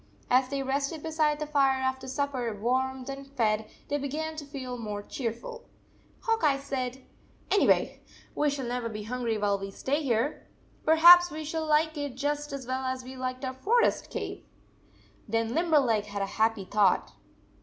As they rested beside the fire after sup per, warmed and fed, they began to feel more cheerful. Hawk Eye said: " Any way, we shall never be hungry while we stay here. Perhaps we shall like it just as well as we liked our forest cave/ "3 Then Limberleg had a happy thought.